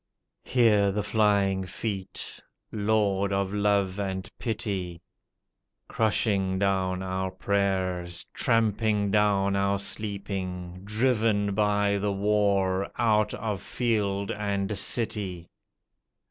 Hear the flying feet ! Lord of love and pity ! Crushing down our prayers, tramping down our sleeping, Driven by the war out of field and city.